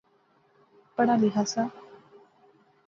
پڑھا لیخا سا